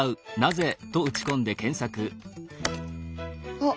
あっ